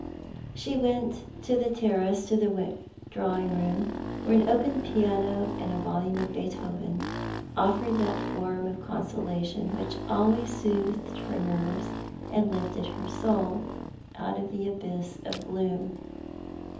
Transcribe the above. She went from the terrace to the drawing room, where an open piano and a volume of Beethoven offered that form of consolation which alwavs soothed her nerves and lifted her soul 1 88 Thou art the Man. out of the abyss of gloom.